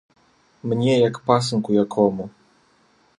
Мне як пасынку якому!